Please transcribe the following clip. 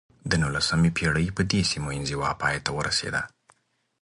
د نولسمې پېړۍ په دې سیمو انزوا پای ته ورسېده.